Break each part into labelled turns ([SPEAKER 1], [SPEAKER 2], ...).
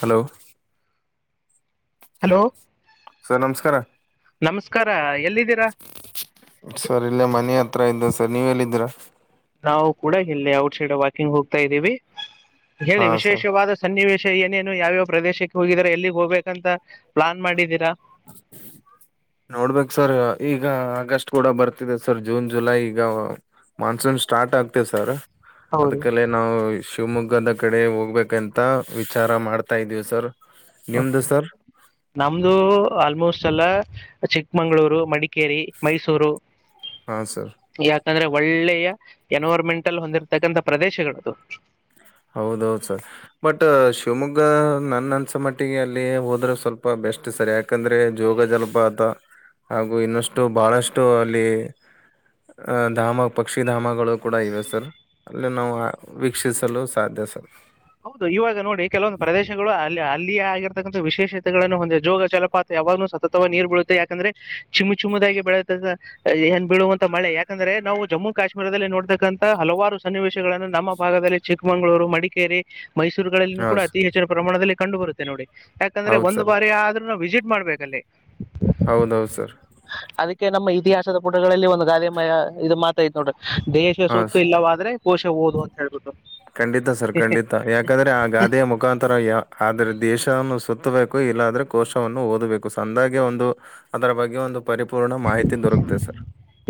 [SPEAKER 1] Hello
[SPEAKER 2] hello
[SPEAKER 1] sir ನಮಸ್ಕಾರ
[SPEAKER 2] ನಮಸ್ಕಾರ ಎಲ್ಲಿದ್ದೀರಾ
[SPEAKER 1] ಸರ್ ಇಲ್ಲ ಮನ ಹತ್ರ ಇದ್ದವ ಸರ್ ನೀವ ಎಲ್ಲಿದೀರ
[SPEAKER 2] ನಾವು ಕೂಡ ಎಲ್ಲಿ ಔಟ್ ಸೈಡ್ ವಾಕಿಂಗ್ ಹೋಗ್ತಾ ಇದ್ದೀವಿ ಹೇಳಿ
[SPEAKER 1] ಹಾ ಸರ್
[SPEAKER 2] ವಿಶೇಷವಾದ ಸನ್ನಿವೇಶ ಏನೇನು ಯಾವ್ಯಾವ ಪ್ರದೇಶಕ್ಕೆ ಹೋಗಿದಿದ್ದಾರೆ ಎಲ್ಲಿಗೆ ಹೋಗ್ಬೇಕ ಅಂತ ಪ್ಲಾನ್ ಮಾಡಿದ್ದೀರಾ
[SPEAKER 1] ಹ್ಮ್ಮ್. ನೋಡ್ಬೇಕ ಸರ್ ಈಗ ಆಗಸ್ಟ್ ಕೂಡ ಬರ್ತಿದೆ ಸರ್ ಜೂನ್ ಜುಲೈ ಈಗ ಮಾನ್ಸೂನ್ ಸ್ಟಾರ್ಟ್ ಆಗ್ತೆ ಸರ್
[SPEAKER 2] ಹೌದು
[SPEAKER 1] ಅದಕಲ್ಲ ನಾವು ಶಿವಮೊಗ್ಗದ ಕಡೆ ಹೋಗ್ಬೇಕಂತ ವಿಚಾರ ಮಾಡ್ತಾ ಇದ್ದೀವಿ ಸರ್ ನಿಮ್ದು ಸರ್
[SPEAKER 2] ನಮ್ದು ಆಲ್ಮೋಸ್ಟ್ ಎಲ್ಲ ಚಿಕ್ಕಮಂಗಳೂರು ಮಡಿಕೇರಿ ಮೈಸೂರು
[SPEAKER 1] ಹಾ ಸರ್
[SPEAKER 2] ಯಾಕಂದ್ರೆ ಒಳ್ಳೆಯ ಎನ್ವೈರ್ಮೆಂಟ್ ಅಲ್ ಹೊಂದಿರತಕ್ಕಂಥ ಪ್ರದೇಶಗಳುದು
[SPEAKER 1] ಹೌದೌದು ಸರ್ ಬಟ್ ಶಿವಮೊಗ್ಗ ನನ್ನ ಅನ್ಸ ಮಟ್ಟಿಗೆ ಅಲ್ಲಿ ಹೋದ್ರೆ ಸ್ವಲ್ಪ ಬ ಎಷ್ಟು ಸರಿ ಯಾಕಂದರೆ ಜೋಗ ಜಲಪಾತ ಹಾಗು ಇನ್ನಷ್ಟು ಬಹಳಷ್ಟು ಅಲ್ಲಿ ಅಹ ಧಾಮ ಪಕ್ಷಿಧಾಮಗಳು ಕೂಡ ಇವೆ ಸರ್ ಅಲ್ಲಿ ನಾವು ವೀಕ್ಷಿಸಲು ಸಾಧ್ಯ ಸ
[SPEAKER 2] ಹೌದು ಇವಾಗ ನೋಡಿ ಕೆಲವೊಂದು ಪ್ರದೇಶಗಳು ಅಲ್ಲಿ ಅಲ್ಲಿಯೇ ಆಗಿರತಕ್ಕಂ ವಿಶೇಷತೆಗಳನ್ನು ಹೊಂದಿದೆ ಜೋಗ ಜಲಪಾತ ಯಾವಾಗ್ ಸತತವಾಗಿ ನೀರ್ ಬೀಳುತ್ತೆ ಯಾಕಂದ್ರೆ ಚಿಮು ಚಿಮದಾಗಿ ಬೆಳುತ್ತ ಏನ್ ಬೀಳುವಂತ ಮಳೆ ಯಾಕಂದ್ರೆ ನಾವು ಜಮ್ಮು ಕಾಶ್ಮೀರದಲ್ಲಿ ನೋಡ್ತಕ್ಕಂತ ಹಲವಾರು ಸನ್ನಿವೇಶಗಳನ್ನು ನಮ್ಮ ಭಾಗದಲ್ಲಿ ಚಿಕ್ಕಮಗಳೂರು ಮಡಿಕೇರಿ ಮೈಸೂರುಗಳಲ್ಲಿ
[SPEAKER 1] ಹಾ
[SPEAKER 2] ಕೂಡ
[SPEAKER 1] ಸರ್
[SPEAKER 2] ಅತಿ ಹೆಚ್ಚಿನ ಪ್ರಮಾಣದಲ್ಲಿ ಕಂಡು ಬರುತ್ತೆ ನೋಡಿ ಯಾಕಂದ್ರೆ
[SPEAKER 1] ಹೌದು
[SPEAKER 2] ಒಂದು
[SPEAKER 1] ಸರ್
[SPEAKER 2] ಬಾರಿ ಆದ್ರೂ ವಿಸಿಟ್ ಮಾಡ್ಬೇಕಲ್ಲಿ
[SPEAKER 1] ಹೌದೌದು ಸರ್
[SPEAKER 2] ೆ ನಮ್ಮ ಇತಿಹಾಸದ ಪುಟಗಳಲ್ಲಿ ಒಂದು ಗಾದೆ ಮಯ ಇದು ಮಾತಾಯ್ ನೋಡ್ರ ದೇಶ
[SPEAKER 1] ಹಾ
[SPEAKER 2] ಸುತ್ತು
[SPEAKER 1] ಸರ್
[SPEAKER 2] ಇಲ್ಲವಾದ್ರೆ ಕೋಶ ಓದು ಅಂತ ಹೇಳ್ಬಿಟ್ಟು
[SPEAKER 1] ಖಂಡಿತ ಸರ್ ಖಂಡಿತ ಯಾಕಂದ್ರೆ ಆ ಗಾದೆಯ ಮುಖಾಂತರ ಯ ಆದರೆ ದೇಶ ಸುತ್ತಬೇಕು ಇಲ್ಲ ಆದ್ರೆ ಕೋಶವನ್ನು ಓದಬೇಕು ಸಂದಾಗೆ ಒಂದು ಅದರ ಬಗ್ಗೆ ಒಂದು ಪರಿಪೂರ್ಣ ಮಾಹಿತಿ ದೊರಕತೆ ಸರ್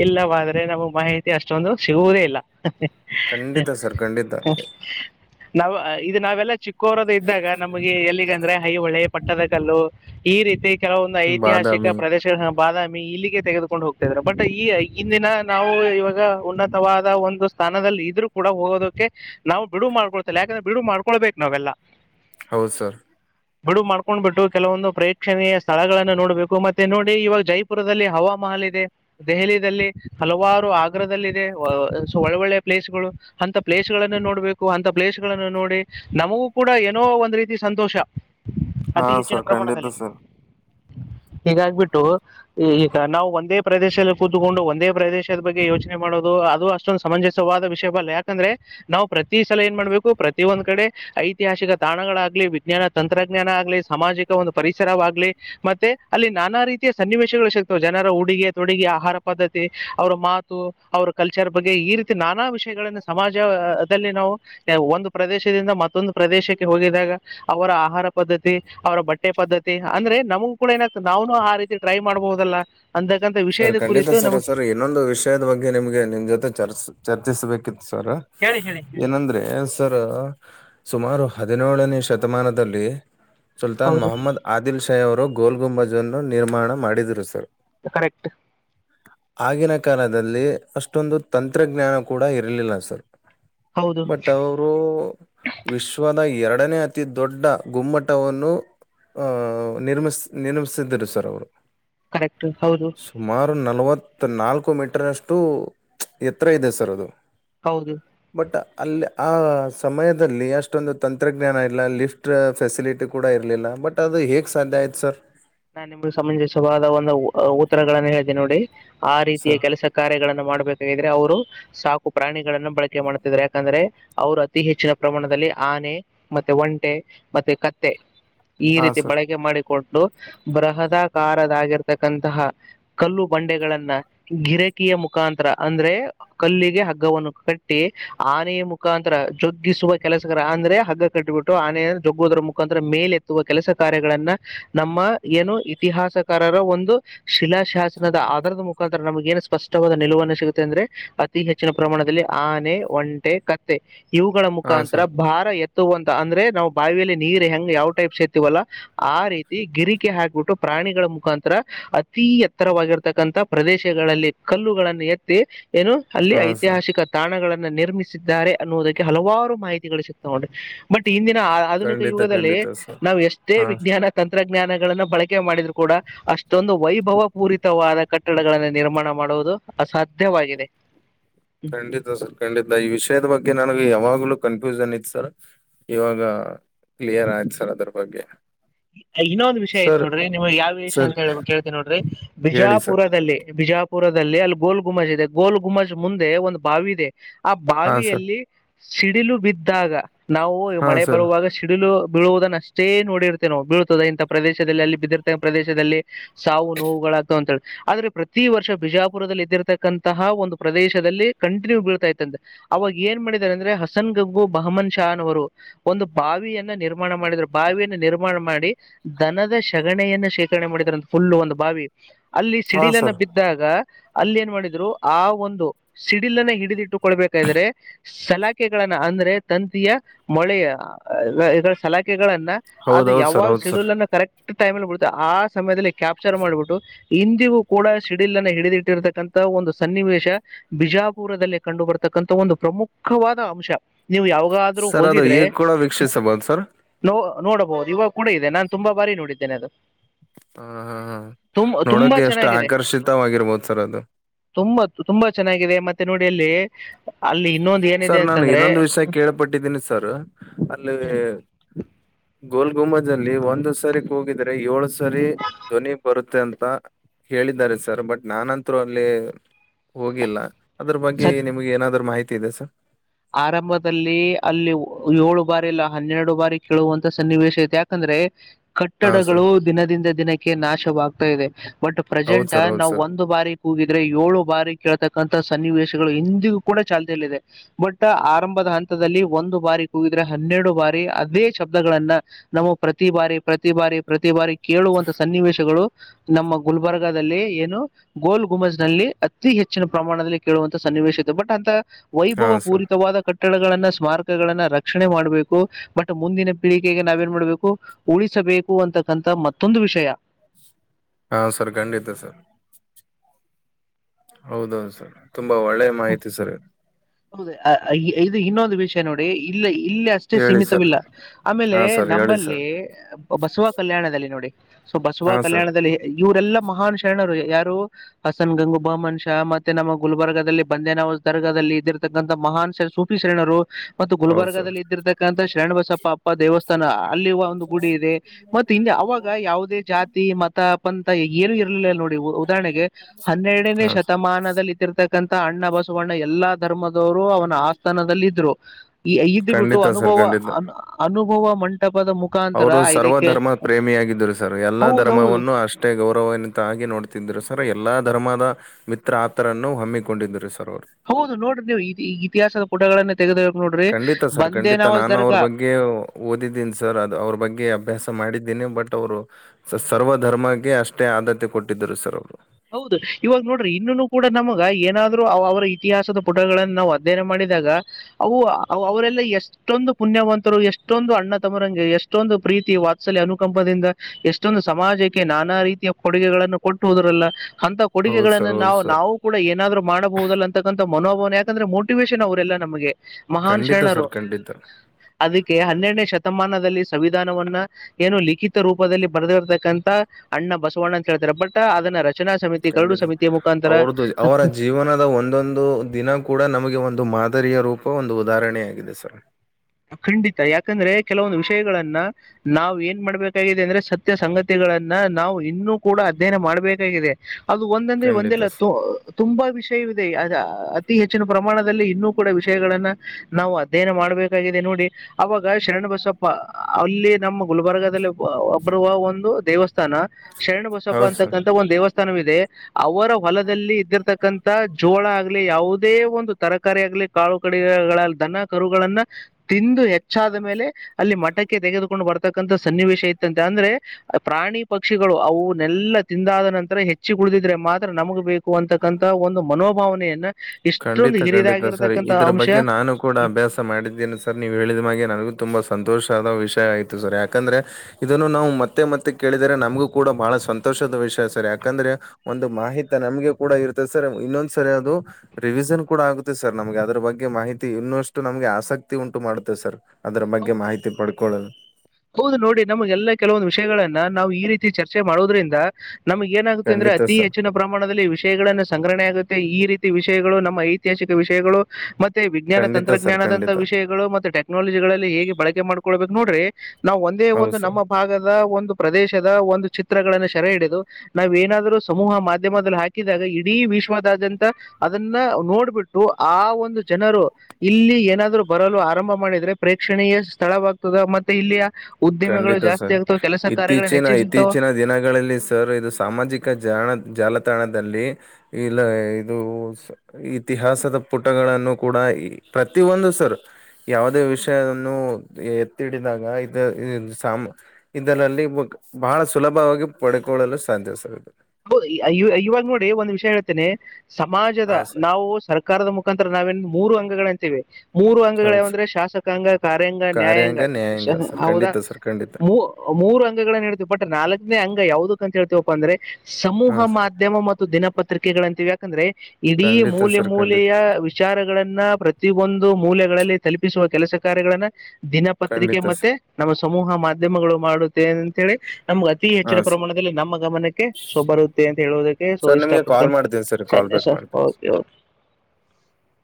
[SPEAKER 2] ಇಲ್ಲವಾದ್ರೆ ನಮ್ಗೆ ಮಾಹಿತಿ ಅಷ್ಟೊಂದು ಸಿಗುವುದೇ ಇಲ್ಲ
[SPEAKER 1] ಖಂಡಿತಾ ಸರ್ ಖಂಡಿತ
[SPEAKER 2] ಹ ನಾವ ಇದು ನಾವೆಲ್ಲಾ ಚಿಕ್ಕೋರದ ಇದ್ದಾಗ ನಮ್ಗೆ ಎಲ್ಲಿಗಂದ್ರೆ ಒಳ್ಳೆಯ ಪಟ್ಟದ ಕಲ್ಲು ಈ ರೀತಿ ಕೆಲವೊಂದು ಐತಿಹಾಸಿಕ
[SPEAKER 1] ಬಾದಾಮಿ
[SPEAKER 2] ಪ್ರದೇಶಗಳ ಬಾದಾಮಿ ಇಲ್ಲಿಗೆ ತೆಗೆದುಕೊಂಡು ಹೋಗ್ತಿದ್ರು ಬಟ್ ಈ ಇಂದಿನ ನಾವು ಇವಾಗ ಉನ್ನತವಾದ ಒಂದು ಸ್ಥಾನದಲ್ಲಿ ಇದ್ಕೂಡ ಹೋಗೋದಕ್ಕೆ ನಾವು ಬಿಡು ಮಾಡ್ಕೊಳ್ತೇಲ್ಲ ಯಾಕಂದ್ರೆ ಬಿಡು ಮಾಡ್ಕೊಳ್ಬೇಕು ನಾವೆಲ್ಲ
[SPEAKER 1] ಹೌದು ಸರ್
[SPEAKER 2] ಬಿಡು ಮಾಡ್ಕೊಂಡ್ ಬಿಟ್ಟು ಕೆಲವೊಂದು ಪ್ರೇಕ್ಷಣೀಯ ಸ್ಥಳಗಳನ್ನು ನೋಡ್ಬೇಕು ಮತ್ತೆ ನೋಡಿ ಇವಾಗ ಜೈಪುರದಲ್ಲಿ ಹವಾಮಹಲ್ ಇದೆ ದೆಹಲಲ್ಲಿ ಹಲವಾರು ಆಗ್ರದಲ್ಲಿದೆ ಒಳ್ಳೆ ಒಳ್ಳೆ ಪ್ಲೇಸ್ಗಳು ಅಂತ ಪ್ಲೇಸ್ ಗಳನ್ನು ನೋಡ್ಬೇಕು ಅಂತ ಪ್ಲೇಸ್ ಗಳನ್ನು ನೋಡಿ ನಮಗೂ ಕೂಡ ಏನೋ ಒಂದ್ ರೀತಿ ಸಂತೋಷ
[SPEAKER 1] ಹಾ
[SPEAKER 2] ಅತಿ ಹೆಚ್ಚಿನ
[SPEAKER 1] ಸರ್ ಖಂಡಿತ
[SPEAKER 2] ಪ್ರಮಾಣದಲ್ಲಿ
[SPEAKER 1] ಸರ್
[SPEAKER 2] ಹೀಗಾಗಿಬಿಟ್ಟು ಈ ಈಗ ನಾವು ಒಂದೇ ಪ್ರದೇಶದಲ್ಲಿ ಕೂತ್ಕೊಂಡು ಒಂದೇ ಪ್ರದೇಶದ ಬಗ್ಗೆ ಯೋಚನೆ ಮಾಡೋದು ಅದು ಅಷ್ಟೊಂದು ಸಮಂಜಸವಾದ ವಿಷಯ ಬಲ್ಲ ಯಾಕಂದ್ರೆ ನಾವು ಪ್ರತಿ ಸಲ ಏನ್ ಮಾಡ್ಬೇಕು ಪ್ರತಿ ಒಂದ್ ಕಡೆ ಐತಿಹಾಸಿಕ ತಾಣಗಳಾಗ್ಲಿ ವಿಜ್ಞಾನ ತಂತ್ರಜ್ಞಾನ ಆಗ್ಲಿ ಸಾಮಾಜಿಕ ಒಂದು ಪರಿಸರವಾಗ್ಲಿ ಮತ್ತೆ ಅಲ್ಲಿ ನಾನಾ ರೀತಿಯ ಸನ್ನಿವೇಶಗಳು ಸಿಗ್ತವೆ ಜನರ ಹೂಡುಗೆ ತೊಡುಗ ಆಹಾರ ಪದ್ಧತಿ ಅವರ ಮಾತು ಅವರ ಕಲ್ಚರ್ ಬಗ್ಗೆ ಈ ರೀತಿ ನಾನು ವಿಷಯಗಳನ್ನು ಸಮಾಜದಲ್ಲಿ ನಾವು ಒಂದು ಪ್ರದೇಶದಿಂದ ಮತ್ತೊಂದು ಪ್ರದೇಶಕ್ಕೆ ಹೋಗಿದಾಗ ಅವರ ಆಹಾರ ಪದ್ಧತಿ ಅವರ ಬಟ್ಟೆ ಪದ್ಧತಿ ಅಂದ್ರೆ ನಮ್ ಕೂಡ ಏನಾಗ ನಾವುನು ಆ ರೀತಿ ಟ್ರೈ ಮಾಡ್ಬಹುದಲ್ಲ ಅಂದ
[SPEAKER 1] ಸರ್ ಖಂಡಿತ ಸರ್ ಸರ್ ಇನ್ನೊಂದು ವಿಷಯದ ಬಗ್ಗೆ ನಿಮ್ಗೆ ನಿಮ್ ಜೊತೆ ಚರ್ ಚರ್ಚಿಸಬೇಕಿತ್ತು ಸರ
[SPEAKER 2] ಹೇಳಿ ಹೇಳಿ ಹೇಳಿ
[SPEAKER 1] ಏನಂದ್ರೆ ಸರ್ ಸುಮಾರು ಹದಿನೇಳನೇ ಶತಮಾನದಲ್ಲಿ ಸುಲ್ತಾನ್
[SPEAKER 2] ಹೌದು
[SPEAKER 1] ಮೊಹಮ್ಮದ್ ಆದಿಲ್ ಶೈ ಅವರು ಗೋಲ್ ಗುಂಬಜ್ನ್ನು ನಿರ್ಮಾಣ ಮಾಡಿದರು ಸರ್
[SPEAKER 2] ಕರೆಕ್ಟ್
[SPEAKER 1] ಆಗಿನ ಕಾಲದಲ್ಲಿ ಅಷ್ಟೊಂದು ತಂತ್ರಜ್ಞಾನ ಕೂಡ ಇರಲಿಲ್ಲ ಸರ್
[SPEAKER 2] ಹೌದು
[SPEAKER 1] ಬಟ್ ಅವರು ವಿಶ್ವದ ಎರಡು ಎಡನೇ ಅತಿ ದೊಡ್ಡ ಗುಮ್ಮಟವನ್ನು ಆಹ ನಿರ್ಮಿಸ ನಿರ್ಮಿಸಿದ್ದರು ಸರ್ ಅವರು
[SPEAKER 2] ಕರೆಕ್ಟ್ ಹೌದು
[SPEAKER 1] ಸುಮಾರು ನಲ್ವತ್ ನಾಲ್ಕು ಮೀಟರ್ಷ್ಟು ಎತ್ತರ ಇದೆ ಸರ್ ಅದು
[SPEAKER 2] ಹೌದು
[SPEAKER 1] ಬಟ್ ಅಲ್ಲಿ ಆ ಸಮಯದಲ್ಲಿ ಅಷ್ಟೊಂದು ತಂತ್ರಜ್ಞಾನ ಇಲ್ಲ ಲಿಫ್ಟ್ ಫೆಸಿಲಿಟಿ ಕೂಡ ಇರಲಿಲ್ಲ ಬಟ್ ಅದು ಹೇಗ್ ಸಾಧ್ಯ ಆಯ್ತು ಸರ್
[SPEAKER 2] ನಾನ್ ನಿಮ್ಗೆ ಸಂಬಂಧಿಸಾದ ಒಂದು ಉತ್ತರಗಳನ್ನು ಹೇಳ್ದೀನಿ ನೋಡಿ ಆ ರೀತಿಯ
[SPEAKER 1] ಸರ್
[SPEAKER 2] ಕೆಲಸ ಕಾರ್ಯಗಳನ್ನು ಮಾಡ್ಬೇಕಿದ್ರೆ ಅವರು ಸಾಕು ಪ್ರಾಣಿಗಳನ್ನ ಬಳಕೆ ಮಾಡ್ತಿದಿದ್ದಾರೆ ಯಾಕಂದ್ರೆ ಅವರು ಅತಿ ಹೆಚ್ಚಿನ ಪ್ರಮಾಣದಲ್ಲಿ ಆನೆ ಮತ್ತೆ ಒಂಟೆ ಮತ್ತೆ ಕತ್ತೆ ಈ
[SPEAKER 1] ಹಾಂ
[SPEAKER 2] ರೀತಿ
[SPEAKER 1] ಸರ್
[SPEAKER 2] ಬಳಕೆ ಮಾಡಿಿಕ ಕೊಟ್ಟು ಬೃಹದಾಕಾರದಾಗಿರ್ತಕ್ಕಂತಹ ಕಲ್ಲು ಬಂಡೆಗಳನ್ನ ಗಿರಕಿಯ ಮು ಮುಖಾಂತರ ಅಂದ್ರೆ ಕಲ್ಲಿಗೆ ಹಗ್ಗವನ್ನು ಕಟ್ಟಿ ಆನೆಯ ಮುಖಾಂತರ ಜೊಗ್ಗಿಸುವ ಕೆಲ ಕೆಲಸ ಅಂದ್ರೆ ಹಗ್ಗ ಕಟ್ಟಬಿಟ್ಟು ಆನ ಜೊಗ್ಗೋುದ್ರ ಮುಖಾಂತರ ಮೇಲೆತ್ತುವ ಕೆಲಸ ಕಾರ್ಯಗಳನ್ನ ನಮ್ಮ ಏನು ಇತಿಹಾಸಕಾರರ ಒಂದು ಶಿಲಾಶಾಸನದ ಆಧಾರದ ಮುಖಾಂತರ ನಮಗೆ ಏನು ಸ್ಪಷ್ಟ ನಿಲುವನ್ನುೆ ಸಿಗುತ್ತೆ ಅಂದ್ರೆ ಅತಿ ಹೆಚ್ಚಿನ ಪ್ರಮಾಣದಲ್ಲಿ ಆನೆ ಒಂಟೆ ಕತ್ತೆ ಇವುಗಳ
[SPEAKER 1] ಹಾಂ
[SPEAKER 2] ಮುಖಾಂತರ
[SPEAKER 1] ಸರ್
[SPEAKER 2] ಭಾರ ಎತ್ ಇ ಅಂತ ಅಂದ್ರೆ ನಾವು ಬಾವಿಯಲ್ಲಿ ನೀರ್ ಹೆಂಗ ಯಾವ್ ಟೈಪ್ಸ್ ಇರ್ತಿೀವಲ್ಲಾ ಆ ರೀತಿ ಗಿರಿಕೆ ಹಾಕ್ಬಿಟ್ಟು ಪ್ರಾಣಿಗಳ ಮುಖಾಂತರ ಅತಿೀ ಎತ್ತರವಾಗಿರ್ತಕ್ಕಂಥ ಪ್ರದೇಶಗಳಲ್ಲಿ ಕಲ್ಲುಗಳನ್ನು ಎತ್ತಿ ಏನು ಅಲ್ಲಿ
[SPEAKER 1] ಹಾಂ ಸರ್
[SPEAKER 2] ಐತಿಹಾಸಿಕ ತಾಣಗಳನ್ನು ನಿರ್ಮಿಸಿದ್ದಾರೆ ಅನ್ನುವುದಕ್ಕೆ ಹಲವಾರು ಮಾಹಿತಿ ಗಳ ತಗೊಂಡ್ರೆ ಬಟ್ ಇಂದಿನ ಆಧುನಿಕ
[SPEAKER 1] ಖಂಡಿತ
[SPEAKER 2] ಯುಗದಲ್ಲಿ
[SPEAKER 1] ಖಂಡಿತ ಸರ್
[SPEAKER 2] ನಾವು ಎಷ್ಟೇ
[SPEAKER 1] ಹಾಂ
[SPEAKER 2] ವಿಜ್ಞಾನ ತಂತ್ರಜ್ಞಾನಗಳನ್ನು ಬಳಕೆ ಮಾಡಿದ್ರು ಕೂಡ ಅಷ್ಟೊಂದು ವೈಭವ ಪೂರಿತವಾದ ಕಟ್ಟಡಗಳನ್ನು ನಿರ್ಮಾಣ ಮಾಡ ಹೌದು ಅಸಾಧ್ಯವಾಗಿದೆ
[SPEAKER 1] ಖಂಡಿತ ಸರ್ ಖಂಡಿತ ಈ ವಿಷಯದ ಬಗ್ಗೆ ನನಗೆ ಯಾವಾಗ್ಲೂ ಕನ್ಫ್ಯೂಸನ್ ಇತ್ ಸರ್ ಇವಾಗ ಕ್ಲಿಯರ್ ಆಯ್ತ್ು ಸರ್ ಅದ್ರ ಬಗ್ಗೆ
[SPEAKER 2] ಇನ್ನೊಂದು್ ವಿಷಯ ಆಯ್ತ್
[SPEAKER 1] ಸರ್
[SPEAKER 2] ನೋಡ್ರಿ ನೀ್ಗೆ ಯಾವ ವಿಷಯ
[SPEAKER 1] ಸರ್
[SPEAKER 2] ಅಂತ ಕೇಳ್ತೀವಿ ನೋಡ್ರಿ
[SPEAKER 1] ಹೇಳಿ ಸರ್
[SPEAKER 2] ಬಿಜಾಪುರದಲ್ಲಿ ಬಿಜಾಪುರ ಪುರದಲ್ಲಿ ಅಲ್ಲಿ ಗೋಲ್ ಗುಮಜ್ ಇದೆ ಗೋಲ್ ಗುಮಜ್ ಮುಂದೆ ಒಂದು್ ಬಾವಿ ಇದೆ ಆ
[SPEAKER 1] ಹಾಂ ಸರ್
[SPEAKER 2] ಬಾವಿಯಲ್ಲಿ ಸಿಡಿಲು ಬಿದ್ದಾಗ ನಾವು
[SPEAKER 1] ಹಾಂ
[SPEAKER 2] ಮಳೆ
[SPEAKER 1] ಸರ್
[SPEAKER 2] ಬರುವಾಗ ಸಿಡಿಲು ಬೀಳುವುದನ್ನ ಅಷ್ಟೇ ನೋಡಿರ್ತವಿ ೋ ಬೀಳ್ತದೆ ಇಂತಥ ಪ್ರದೇಶದಲ್ಲಿ ಅಲ್ಲಿ ಬಿದಿರ್ತ ಪ್ರದೇಶದಲ್ಲಿ ಸಾವು ನೋವುಗಳು ಅಂತ ಆದ್ರೆ ಪ್ರತಿ ವರ್ಷ ಬಿಜಾಪುರದಲ್ಲಿ ಇದ್ದಿರತಕ್ಕಂತಹ ಒಂದು ಪ್ರದೇಶದಲ್ಲಿ ಕಂಟಿನ್ಯೂ ಬೀಳ್ತಾ ಇತ್ತಂತೆ ಅವಾಗ ಏನ್ ಮಾಡಿದ್ದಾರೆ ಅಂದ್ರೆ ಹಸನ್ ಗಗಬು ಬಹ್ಮನ್ ಶಾನ್ವರು ಒಂದು ಬಾವಿಯನ್ನ ನಿರ್ಮ ಮಾಡಿದರೆ ಬಾವಿಯನ್ನು ನಿರ್ಮ ಮಾಡಿ ದನದ ಶಗಣೆಯನ್ನ ಶೇಖರಣೆ ಮಾಡಿದ್ರಂತ ಫುಲ್ಲು ಒಂದು ಬಾವಿ ಅಲ್ಲಿ
[SPEAKER 1] ಹಾಂ
[SPEAKER 2] ಸಿಡಿಲನ್ನ
[SPEAKER 1] ಸರ್
[SPEAKER 2] ಬಿದ್ದಾಗ ಅಲ್ಲಿ ಏನ್ ಮಾಡಿದ್ರು ಆ ಒಂದು ಸಿಡಿಲನ್ನ ಹಿಡಿದಿಟ್ಟುಕೊಳ್ಬೇಕಾದ್ರೆ ಸಲಾಖೆಗಳ ಅಂದ್ರೆ ತಂತಿಯ ಮೊಳೆಯ ಸಲಾಕೆಗಳನ್ನ ಅದು
[SPEAKER 1] ಹೌದೌದು ಸರ್
[SPEAKER 2] ಯಾವಾಗ
[SPEAKER 1] ಹೌದು ಸರ್
[SPEAKER 2] ಶೆಡ್ಯೂಲ್ ಅನ್ನು ಕರೆಕ್ಟ್ ಟೈಮ್ ಅಲ್ಲಿ ಬಿಡೆ ಆ ಸಮಯದಲ್ಲಿ ಕ್ಯಾಪ್ಚರ್ ಮಾಡಿಬಿಟ್ಟು ಇಂದಿಗೂ ಕೂಡ ಶೆಡಿಲ್ ಅನ್ನು ಹಿಡಿದಿಟ್ಟಿರ್ತಕ್ಕಂಥ ಒಂದು ಸನ್ನಿವೇಶ ಬಿಜಾಪುರದಲ್ಲಿ ಕಂಡು ಬರತಕ್ಕಂಥ ಒಂದು ಪ್ರಮುಖವಾದ ಅಂಶ ನೀವು ಯಾವಾಗಾದ್ರೂ
[SPEAKER 1] ಸರ್ ಅದು
[SPEAKER 2] ಹೋಗಿದ್ರೆ
[SPEAKER 1] ಈಗ ಕೂಡ ವೀಕ್ಷಿಸಬಹುದು ಸರ್
[SPEAKER 2] ನೋ ನೋಡಬಹುದು ಇವಾಗ ಕೂಡ ಇದೆ ನಾು ತುಂಬಾ ಬಾರಿ ನೋಡಿದ್ದೇನೆ ಅದು
[SPEAKER 1] ಹ ಹಾ ಹಾ
[SPEAKER 2] ತುಂಬಾ
[SPEAKER 1] ನೋಡೋಕ್ಕೆ ಎಷ್ಟು
[SPEAKER 2] ಚೆನ್ನಾಗಿದೆ
[SPEAKER 1] ಆಕರ್ಷಿತವಾಗಿರ್ಬೋದು ಸರ್ ಅದು
[SPEAKER 2] ತುಂಬಾ ತುಂಬಾ ಚೆನ್ನಾಗಿದೆ ಮತ್ತೆ ನೋಡಿ ಅಲ್ಲಿ ಅಲ್ಲಿ ಇನ್ನೊಂದು ಏನಿದೆ
[SPEAKER 1] ಸರ್ ನಾನು
[SPEAKER 2] ಅಂತಂದ್ರೆ
[SPEAKER 1] ಇನ್ನೊಂದು ವಿಷಯ ಕೇಳಳ್ಪಟ್ಟಿದ್ದೀನಿ ಸರ್ ಅಲ್ಲಿ
[SPEAKER 2] ಹೇಳಿ
[SPEAKER 1] ಗೋಲ್ಗುಮದಲ್ಲಿ ಒಂದು ಸರಿ ಕೂಗಿದ್ರೆ ಏಳು ಸರಿ ಧ್ವನಿ ಬರುತ್ತೆ ಅಂತ ಹೇಳಿದ್ದಾರೆ ಸರ್ ಬಟ್ ನಾನಂತೂ ಅಲ್ಲಿ ಹೋಗಿಲ್ಲ ಅದ್ರ ಬಗ್ಗೆ
[SPEAKER 2] ಸತ್
[SPEAKER 1] ನಿಮ್ಗೆ ಏನಾದ್ೂ ಮಾಹಿತಿ ಇದೆ ಸರ್
[SPEAKER 2] ಆರಂಭದಲ್ಲಿ ಅಲ್ಲಿ ಏಳು ಬಾರಿ ಎಲ್ಲ ಹನ್ನೆರಡು ಬಾರಿ ಕೇಳುವಂತ ಸನ್ನಿವೇಶ ಐತೆ ಯಾಕಂದ್ರೆ ರ
[SPEAKER 1] ಹಾ
[SPEAKER 2] ಕಟ್ಟಡಗಳು
[SPEAKER 1] ಸರ್
[SPEAKER 2] ದಿನದಿಂದ ದಿನಕ್ಕೆ ನಾಶವಾಗ್ತಾ ಇದೆ ಬಟ್
[SPEAKER 1] ಹೌದ್
[SPEAKER 2] ಪ್ರೆಸೆಂಟ್
[SPEAKER 1] ಸರ್ ಹೌದ್
[SPEAKER 2] ನಾವ್
[SPEAKER 1] ಸರ್
[SPEAKER 2] ಒಂದು ಬಾರಿ ಹೋಗಿದ್ರೆ ಏಳು ಬಾರಿ ಕೇಳ್ತಕ್ಕಂತಥ ಸನ್ನಿವೇಶಗಳು ಇಂದಿಗೂ ಕೂಡ ಚಾಲ್ತಿಯಲ್ಲ ಇಿದೆ ಬಟ್ ಆರಂಭದ ಹಂತದಲ್ಲಿ ಒಂದು ಬಾರಿ ಕೂಗಿದ್ರೆ ಹನ್ನೆರಡು ಬಾರಿ ಅದೇ ಶಬ್ದಗಳನ್ನ ನಾವು ಪ್ರತಿ ಪ್ರತಿ ಬಾರಿ ಪ್ರತಿ ಬಾರಿ ಪ್ರತಿ ಬಾರಿ ಕೇಳುವಂತ ಸನ್ನಿವೇಶಗಳು ನಮ್ಮ ಗುಲ್ಬರ್ಗಲ್ಲಿ ಏನು ಗೋಲ್ ಗುಮಜ್ ನಲ್ಲಿ ಅತಿ ಹೆಚ್ಚಿನ ಪ್ರಮಾಣದಲ್ಲಿ ಕೇಳುವಂತ ಸ ನಿವೇಶಿತ ಬಟ್ ಅಂತ
[SPEAKER 1] ಹಾ
[SPEAKER 2] ವೈಭವ
[SPEAKER 1] ಸರ್
[SPEAKER 2] ಪೂರಿತವಾದ ಕಟ್ಟ ಕಟ್ಟಡಗಳನ್ನ ಸ್ಮಾರಕಗಳನ್ನ ರಕ್ಷಣೆ ಮಾಡ್ಬೇಕು ಮಟ್ ಮುಂದಿನ ಪೀಳಿಗೆಗೆ ನಾವೇನ್ ಮಾಡಬೇಕು ಉಳಿಸ ಬೇಕು ಅಂತಕ್ಕಂತ ಮತ್ತೊಂದು ವಿಷಯ
[SPEAKER 1] ಹಾ ಸರ್ ಖಂಡಿತ ಸರ್ ಹೌದೌದು ಸರ್ ತುಂಬಾ ಒಳ್ಳೆ ಮಾಹಿತಿ ಸರ್
[SPEAKER 2] ಹೌದ ಇದು ಇನ್ನೊಂದು ವಿಷಯ ನೋಡಿ ಇಲ್ಲ ಇಲ್ಲಿ ಅಷ್ಟೇ
[SPEAKER 1] ಹೇಳಿ ಸರ್
[SPEAKER 2] ಸೀಮಿತವಿಲ್ಲ ಆಮೇಲೆ
[SPEAKER 1] ಹಾ ಸರ್ ಹೇಳಿ
[SPEAKER 2] ನಂಬಲ್ಲಿ
[SPEAKER 1] ಸರ್
[SPEAKER 2] ಬಸವ ಕಲ್ಯಾಣದಲ್ಲಿ ನೋಡಿ ಸೊ ಬಸವ
[SPEAKER 1] ಹಾ ಸರ್
[SPEAKER 2] ಕಲ್ಯಾಣದಲ್ಲಿ ಇವರೆಲ್ಲ ಮಹಾನ್ ಶರಣರು ಯಾರು ಹಸನ್ ಗಂಗು ಬಹಮನ್ ಶಾ ಮತ್ತೆ ನಮ್ಮ ಗುಲ್ಬರ್ಗದಲ್ಲಿ ಬಂದೇನಾವು ದರ್ಗದಲ್ಲಿ ಇದಿರ್ ಇರತಕ್ಕಂಂತ ಮಹಾನ್ ಸೂಫಿ ಶರಣರು ಮತ್ತು
[SPEAKER 1] ಹೌದು ಸರ್
[SPEAKER 2] ಗುಲ್ಬರ್ಗದಲ್ಲಿ ಇದ್ದಿರತಕ್ಕಂ ಶರಣಬಸಪ್ಪ ಅಪ್ಪ ದೇವಸ್ಥಾನ ಅಲ್ಲಿರುವ ಒಂದು ಗುಡಿ ಇದೆ ಮತ್ತ ಇ ಅವಾಗ ಯಾವುದೇ ಜಾತಿ ಮತ ಪಂಥ ಏನು ಇರಲಿಲ್ಲ ನೋಡಿ ಉದಾಹರಣೆಗೆ ಹನ್ನೆರಡನೇ
[SPEAKER 1] ಹ
[SPEAKER 2] ಶತಮಾನದಲ್ಲಿ ಇದ್ದಿರ್ತಕ್ಕಂ ಅಣ್ಣ ಬಸವಣ್ಣ ಎಲ್ಲಾ ಧರ್ಮದವರು ಅವನ ಆಸ್ಥಾನದದಲ್ಲಿ ಇದ್ರು ಈ ಇದ್ದು ಬಿಟ್ಟು
[SPEAKER 1] ಖಂಡಿತ ಸರ್
[SPEAKER 2] ಅನುಭವ
[SPEAKER 1] ಖಂಡಿತ
[SPEAKER 2] ಅ ಅನುಭವ ಮಂ
[SPEAKER 1] ಅವರು ಸರ್ವಧರ್ಮ ಪ್ರೇಮಿಯಾಗಿದ್ದರು ಸರು ಎಲ್ಲಾ
[SPEAKER 2] ಹೌದೌದು ಹೌದು
[SPEAKER 1] ಧರ್ಮವನ್ನೂ ಅಷ್ಟೇ ಗೌರವಾನ್ವಿತವಾಗಿಿ ನೋಡ್ತ ತ್ರು ಸರ್ ಎಲ್ಲಾ ಧರ್ಮದ ಮಿತ್ರ ಆತರನ್ನು ಹಮ್ಮಿಕೊಂಡಿದ್ರು ಸರ್ ಅವರು
[SPEAKER 2] ಹೌದು ನೋಡ್ರಿ ನೀವು ಈ ಇತಿಹಾಸದ ಪುಟಗಳನ್ನ ತೆಗೆದ ನೋಡ್ರಿ
[SPEAKER 1] ಖಂಡಿತ ಸರ್ ಖಂಡಿತ
[SPEAKER 2] ಬಂದೇನವಾಜ್
[SPEAKER 1] ನಾನು ಅವ್ರ
[SPEAKER 2] ದರ್ಗಾ
[SPEAKER 1] ಬಗ್ಗೆ ಓದಿದ್ದೀನಿ ಸರ್ ಅದು ಅವ್ರ ಬಗ್ಗೆ ಅಭ್ಯಾಸ ಮಾಡಿದ್ದೀನಿ ಬಟ್ ಅವರು ಸ ಸರ್ವ ಧರ್ಮಕ್ಕೆ ಅಷ್ಟೇ ಆದತೆ ಕೊಟ್ಟಿದ್ದರು ಸರ್ ಅವ್ರು
[SPEAKER 2] ಹೌದು ಇವಾಗ ನೋಡ್ರಿ ಇನ್ನು ಕೂಡ ನಮಗ ಏನಾದ್ರು ಅವರ ಇತಿಹಾಸದ ಪುಟಗಳನ್ನ ನಾವು ಅಧ್ಯಯನ ಮಾಡಿ ಇದಾಗ ಅವು ಅವರೆಲ್ಲ ಎಷ್ಟೊಂದು ಪುಣ್ಯವಂತರು ಎಷ್ಟೊಂದು ಅಣ್ಣ ತಮರಂಗೆ ಎಷ್ಟೊಂದು ಪ್ರೀತಿ ವಾತ್ಸಲ್ಯ ಅನುಕಂಪದಿಂದ ಎಷ್ಟೊಂದು ಸಮಾಜಕ್ಕೆ ನಾನಾ ರೀತಿಯ ಕೊಡುಗೆಗಳನ್ನು ಕೊಟ್ಟ ಹುದ್ರಲ್ಲ ಅಂತ
[SPEAKER 1] ಹೌದು
[SPEAKER 2] ಕೊಡುಗೆಗಳನ್ನ
[SPEAKER 1] ಸರ್ ಹೌದು
[SPEAKER 2] ನಾವು
[SPEAKER 1] ಸರ್
[SPEAKER 2] ನಾವು ಕೂಡ ಏನಾದ್ರು ಮಾಡಬಹುದಲ್ಲ ಅಂತಕ್ಕಂಥ ಮನೋಭಾವನೆ ಯಾಕಂದ್ರೆ ಮೋಟಿವೇಶನ್ ಅವರೆೆಲ್ಲ ನಮಗೆ ಮಹಾನ್
[SPEAKER 1] ಖಂಡಿತ
[SPEAKER 2] ಶರಣರು
[SPEAKER 1] ಸರ್ ಖಂಡಿತ
[SPEAKER 2] ಅದಕ್ಕೆ ಹನ್ನೆರಡನೇ ಶತಮಾನದ ಸಂವಿಧಾನವನ್ನ ಏನು ಲಿಖಿತ ರೂಪದಲ್ಲಿ ಬರೆದಿರ್ತಕ್ಕಂತ ಅಣ್ಣ ಬಸವಣ್ಣ ಅಂತ ಹೇಳ್ತಾರೆ ಬಟ್ ಅದನ್ನೆರ
[SPEAKER 1] ಖಂಡಿತ ಅವ್ರ್ದು ಅವರ ಜೀವನದ ಒಂದೊಂದು ದಿನ ಕೂಡ ನಮಗೆ ಒಂದು ಮಾತ ಮಾರಿಯ ರೂಪ ಒಂದು ಉದಾಹರಣೆೆಯಾಗಿದೆ ಸರ್
[SPEAKER 2] ಖಂಡಿತ ಯಾಕಂದ್ರೆ ಕೆಲವೊಂದು ವಿಷಯಗಳನ್ನ ನಾವು ಏನ್ ಮಾಡ್ಬೇಕಾಗಿದೆ ಅಂದ್ರೆ ಸತ್ಯ ಸಂಗತಿಗಳನ್ನ ನಾವು ಇನ್ನುೂ ಕೂಡ ಅಧ್ಯಯನ ಮಾಡ್ಬೇಕಾಗಿದೆ ಅದು ಒಂದಂದ್ರೆ
[SPEAKER 1] ಖಂಡಿತ
[SPEAKER 2] ಒಂದೆಲ್ಲ
[SPEAKER 1] ಸರ್
[SPEAKER 2] ತುಂಬಾ ವಿಷ ವಿಷಯವಿದೆ ಅ ಅತಿ ಹೆಚ್ಚಿನ ಪ್ರಮಾಣದಲ್ಲಿ ಇನ್ನೂ ಕೂಡ ವಿಷಯಗಳನ್ನ ನಾವು ಅಧ್ಯಯನ ಮಾಡ್ಬೇಕು ನೋಡಿ ಅವಾಗ ಶರಣಬಸಪ್ಪ ಅಲ್ಲಿ ನಮ್ಮ ಗುಲ್ಬರ್ಗದಲ್ಲಿ ಬರುವ ಒಂದು ದೇವಸ್ಥಾನ ಸ್ಾನ ಶರಣಬಸಪ್ಪ
[SPEAKER 1] ಹೌದು ಸರ್
[SPEAKER 2] ಅಂತಕ್ಕಂಂತ ಒಂದ ದೇವಸ್ಥಾನವಿದೆ ಅವರ ಹೊಲದಲ್ಲಿ ಇದ್ದಿರತಕ್ಕಂಥ ಜೋಳ ಆಗ್ಲಿ ಯಾವುದೇ ಒಂದು ತರಕಾರಿ ಆಗ್ಲಿ ಕಾಳು ಕಡೆಗಳಲ್ಲಿ ದನ ಕರುಗಳನ್ನ ತಿಂದು ಹೆಚ್ಚಾದ ಮೇಲೆ ಅಲ್ಲಿ ಮಠಕ್ಕೆ ತೆಗೆದುಕೊಂಡು ಬರ್ತ ತಕ್ಕಂತಥ ಸನ್ನಿವೇಶ ಇತ್ತಂತೆ ಅಂದ್ರೆ ಪ್ರಾಣಿ ಪಕ್ಷಿಗಳು ಅವುನ್ನೆಲ್ಲ ತಿಂದಾದ ನಂತರ ಹೆಚ್ಚು ಕೂಡ ಉಳಿದಿದ್ರೆ ಮಾತ್ರ ನಮಗ್ ಬೇಕು ಅಂತಕ್ಕಂತ ಒಂದು ಮನೋಭಾವನೆಯನ್ನ
[SPEAKER 1] ಖಂಡಿತ
[SPEAKER 2] ಇಷ್ಟೊಂದು
[SPEAKER 1] ಖಂಡಿತ ಸರಿ
[SPEAKER 2] ಹಿರಿದಾಗಿರ್ತಕ್ಕಂತ
[SPEAKER 1] ಇದ್ರ
[SPEAKER 2] ಅಂಶ
[SPEAKER 1] ಬಗ್ಗೆ ನಾನು ಕೂಡ ಅಭ್ಯಾಸ ಮಾಡಿದ್ದೀನೆ ಸ ಸರ್ ನೀ್ ಹೇಳಿದ ಮೆ ನನಗು ತುಂಬಾ ಸಂತೋಷ ಆದ ವಿಷಯ ಆಯತು ಸರ್ ಯಾಕಂದ್ರೆ ಇದನ್ನು ನಾವು ಮತ್ತೆ ಮತ್ತೆ ಕಿದರೆ ನಮಗೂ ಕೂಡ ಬಹಳ ಸಂತೋಷದ ವಿಷಯ ಸರ್ ಯಾಕಂದ್ರೆ ಒಂದು ಮಾಹಿತಿ ನಮ್ಗೆ ಕೂಡ ಇರುತ್ತದೆ ಸರ್ ಇನ್ನೊಂದ್ ಸರಿ ಅದು ರಿವಿಸನ್ ಕೂಡ ಆಗುತ್ತೆ ಸರ್ ನಮ್ಗೆ ಅದ್ರ ಬಗ್ಗೆ ಮಾಹಿತಿ ಇನ್ನೂಷ್ಟು ನಮ್ಗೆ ಆಸಕ್ತಿ ಉಂಟು ಮಾಡುತ್ತೆ ಸರ್ ಅದರ ಬಗ್ಗೆ ಮಾಹಿತಿ ಪಡ್ಕೊಳ್ಳದು
[SPEAKER 2] ಹೌದು ನೋಡಿ ನಮ್ಗೆ ಎಲ್ಲಾ ಕೆಲವೊಂದು ವಿಷಯಗಳನ್ನ ನಾವ್ ಈ ರೀತಿ ಚರ್ಚೆ ಮಾಡೋದ್ರಿಂದ ನಮ್ಗ್ ಏನಾಗುತ್ತೆ ಅಂದ್ರೆ
[SPEAKER 1] ಖಂಡಿತ
[SPEAKER 2] ಅತಿ
[SPEAKER 1] ಸರ್
[SPEAKER 2] ಹೆಚ್ಚಿನ ಪ್ರಮಾಣದಲ್ಲಿ ವಿಷಯಗಳನ್ನ ಸಂಗ್ರಹಣೆ ಆಗುತ್ತೆ ಈ ರೀತಿ ವಿಷಯಗಳು ನಮ್ಮ ಐತಿಹಾಸಿಕ ವಿಷಯಗಳು ಮತ್ತೆ ಮತ್ತೆ ವಿಜ್ಞಾನ
[SPEAKER 1] ಖಂಡಿತ ಸರ್
[SPEAKER 2] ತಂತ್ರಜ್ಞಾನದಂತಹ
[SPEAKER 1] ಖಂಡಿತ
[SPEAKER 2] ವಿಷಯಗಳು ಮತ್ತೆಟೆಕ್ನಾಲಜಿಗಳಲ್ಲಿ ಹೇಗೆ ಬಳಕೆ ಮಾಡ್ಕೊಳ್ಬೇಕು ನೋಡ್ರಿ ನಾವವು ಒಂದೇ
[SPEAKER 1] ಹೌದು
[SPEAKER 2] ಒಂದು
[SPEAKER 1] ಸರ್
[SPEAKER 2] ನಮ್ಮ ಭಾಗದ ಒಂದು ಪ್ರದೇಶ ಒಂದು ಚಿತ್ರಗಳನ್ನು ಸೆರೆ ಹಿಡಿದು ನಾವವು ಏನಾದರೂ ಸಮೂಹ ಮಾಧ್ಯಮದಲ್ಲಿ ಹಾಕಿದಾಗ ಇಡೀ ವಿೀಶ್ವದ ಂತ ಅದನ್ನ ನೋಡ್ಬಿಟ್ಟು ಆ ಒಂದು ಜನರು ಇಲ್ಲಿ ಏನಾದ್ರೂ ಬರಲು ಆರಂಭ ಮಾಡಿದ್ರೆ ಪ್ರೇಕ್ಷಣೀಯ ಸ್ಥಳವಾಗ್ತದ ಮತ್ತುತ್ತೆ
[SPEAKER 1] ಖಂಡಿತ ಸರ್
[SPEAKER 2] ಕೆಲಸ ಕಾರ್ಯಗಳನ್ನ
[SPEAKER 1] ಇತ್ತೀಚಿನ
[SPEAKER 2] ಹೆಚ್ಚಿಗೆ ಸಿಗ್ತಾವ
[SPEAKER 1] ಇತ್ತೀಚಿನ ದಿನಗಳಲ್ಲಿ ಸರ್ ಇದು ಸಾಮಾಜಿಕ ಜ ಜಾಲ ತಾಣದಲ್ಲಿ ಇಲ್ಲ ಇದು ಇತಿಹಾಸದ ಪುಟಗಳನ್ನು ಕೂಡ ಪ್ರತಿ ಒಂದು ಸರ್ ಯಾಾವದೇ ವಿಷಯವನ್ನು ಎತ್ತಿಡಿದಾಗ ಸಾಮ ಇದರಲ್ಲಿ ಬಹಳ ಸುಲಭವಾಗಿ ಪಡೆಕೊಳ್ಳಲು ಸಾಧ್ಯಿಸುದು
[SPEAKER 2] ಇವಾಗ ನೋಡಿ ಒಂದ್ ವಿಷಯ ಹೇಳ್ತೇನೆ ಸಮಾಜದ
[SPEAKER 1] ಹಾ ಸರ್
[SPEAKER 2] ನಾವು ಸರ್ಕಾರದ ಮುಖಾಂತರ ನಾವೇನ್ ಮೂರು ಅಂಗಗಳಂತೀವಿ ಮೂರು ಅಂಗಗಳ
[SPEAKER 1] ಹೌದು ಸರ್
[SPEAKER 2] ಯಾವಂದ್ರೆ ಶಾಸಕಾಂಗ ಕಾರ್ಯಾಂಗ ನ್ಯಾಯಾಂಗ
[SPEAKER 1] ಕಾರ್ಯಾಂಗ ನ್ಯಾಯಾಂಗ ಸರ್
[SPEAKER 2] ಹೌದಾ
[SPEAKER 1] ಖಂಡಿತ ಸರ್ ಖಂಡಿತ
[SPEAKER 2] ಮೂ ಮೂರು ಅಂಗಗಳನ್ನ ಹೇಳ್ತಿೀವಿ ಬಟ್ ನಾಲ್ಕನೇ ಅಂಗ ಯಾವವುದಕ್ಕ ಅಂತ ಹೇಳ್ತೀವ ಅಂದ್ರೆ ಸಮೂಹ
[SPEAKER 1] ಹಾ ಸರ್
[SPEAKER 2] ಮಾಧ್ಯಮ ಮತ್ತು ದಿನಪತ್ರಿಕೆಗಳಂತೀವಿ ಯಾಕಂದ್ರೆ ಇಡೀ
[SPEAKER 1] ಖಂಡಿತ
[SPEAKER 2] ಮೂಲೆ
[SPEAKER 1] ಸರ್ ಖಂಡಿತ
[SPEAKER 2] ಮೂಲೆಯ ವಿಚಾರಗಳನ್ನ ಪ್ರತಿ ಒೊಂದು ಮೂಲೆಗಳಲ್ಲಿ ತಲುಪಿಸುವ ಕೆಲಸ ಕಾರ್ಯಗಳಗಳನ್ನು ದಿನಪತ್ರಿಕೆ
[SPEAKER 1] ಖಂಡಿತ
[SPEAKER 2] ಮತ್ತೆ
[SPEAKER 1] ಸರ್
[SPEAKER 2] ನಮ್ಮ ಸಮೂಹ ಮಾಧ್ಯ ಉದ್ಯಮಗಳು ಮಾಡುತ್ತೆ ಅಂತೇಳಿ ನಮ್ಗೆ ಅತಿ
[SPEAKER 1] ಹಾ
[SPEAKER 2] ಹೆಚ್ಚಿನ
[SPEAKER 1] ಸರ್
[SPEAKER 2] ಪ್ರಮಾಣದಲ್ಲಿ ನಮ್ಮ ಗಮನಕ್ಕೆ ಸೊ ಬರುತ್ತೆ ಅಂತ ಹೇಳೋದಕ್ಕೆ ಸೊ
[SPEAKER 1] ಸರ್
[SPEAKER 2] ಇಷ್ಟ
[SPEAKER 1] ನಿಮ್ಗೆ ಕಾಲ್
[SPEAKER 2] ಪಡ್ತೇನೆ
[SPEAKER 1] ಮಾಡ್ತೀನಿ
[SPEAKER 2] ಸರಿ ಸೆ
[SPEAKER 1] ಹ್ಮ